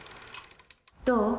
どう？